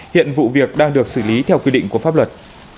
hiện vụ việc đang được xử lý theo quy định của pháp luật